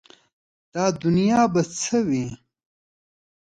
دا دنیا به څه وي ؟